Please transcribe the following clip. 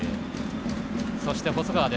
そして、細川。